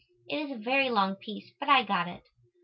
It is a very long piece but I got it.